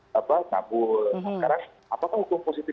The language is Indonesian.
nah sekarang apakah hukum positif